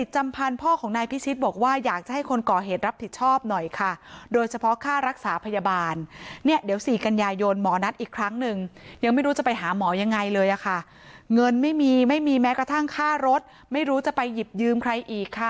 พ่อของนายพิชิตบอกว่าอยากจะให้คนก่อเหตุรับผิดชอบหน่อยค่ะโดยเฉพาะค่ารักษาพยาบาลเนี่ยเดี๋ยว๔กันยายนหมอนัดอีกครั้งหนึ่งยังไม่รู้จะไปหาหมอยังไงเลยอะค่ะเงินไม่มีไม่มีแม้กระทั่งค่ารถไม่รู้จะไปหยิบยืมใครอีกค่ะ